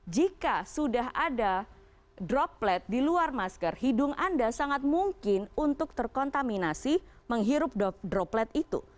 jika sudah ada droplet di luar masker hidung anda sangat mungkin untuk terkontaminasi menghirup droplet itu